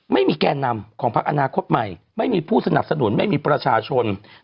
ไม่มีแก่นำของพักอนาคตใหม่ไม่มีผู้สนับสนุนไม่มีประชาชน